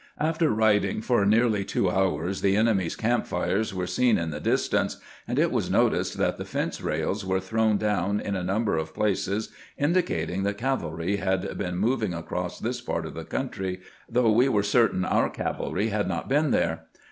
After riding for nearly two hours, the enemy's camp fires were seen in the dis tance, and it was noticed that the f ence raUs were thrown down in a number of places, indicating that cavalry had been moving across this part of the country, though we were certain our cavalry had not been there.